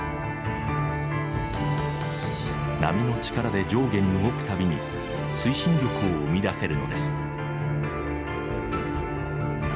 波の力で上下に動く度に推進力を生み出せるのです。